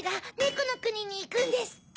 このくににいくんですって！